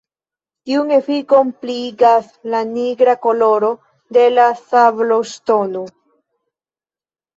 Tiun efikon pliigas la nigra koloro de la sabloŝtono.